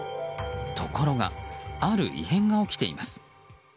ところがある異変が起きています。